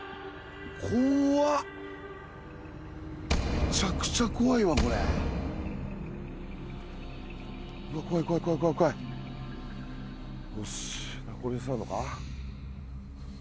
めちゃくちゃ怖いわこれうわ怖い怖い怖い怖い怖いよしこれに座んのか？